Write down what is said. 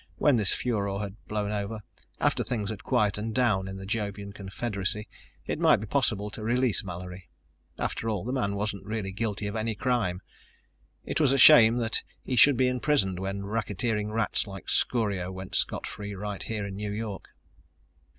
When this furor had blown over, after things had quieted down in the Jovian confederacy, it might be possible to release Mallory. After all, the man wasn't really guilty of any crime. It was a shame that he should be imprisoned when racketeering rats like Scorio went scot free right here in New York.